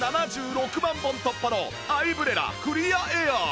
本突破のアイブレラクリアエアー